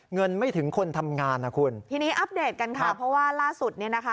เงินไม่ถึงคนทำงานนะคุณทีนี้อัปเดตกันค่ะเพราะว่าล่าสุดเนี่ยนะคะ